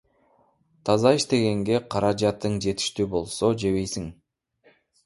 Таза иштегенге каражатың жетиштүү болсо, жебейсиң.